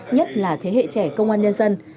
nhất là thế hệ trẻ công an nhân dân